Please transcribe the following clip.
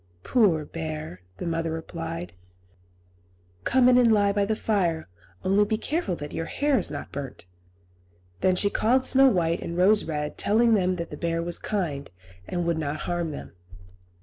"Poor bear!" the mother replied; "come in and lie by the fire; only be careful that your hair is not burnt." Then she called Snow White and Rose Red, telling them that the bear was kind, and would not harm them.